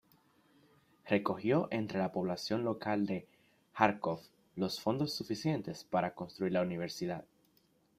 Recogió entre la población local de Járkov los fondos suficientes para construir la universidad.